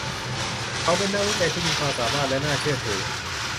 เขาเป็นนักวิจัยที่มีความสามารถและน่าเชื่อถือ